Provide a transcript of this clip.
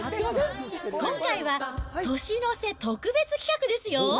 今回は年の瀬特別企画ですよ。